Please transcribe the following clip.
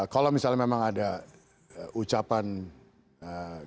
kalau misalnya memang ada ucapan